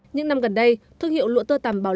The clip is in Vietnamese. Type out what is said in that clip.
những năm gần đây thương hiệu lụa tơ tàm bảo lộc